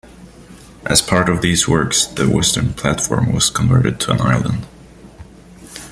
As part of these works the western platform was converted to an island.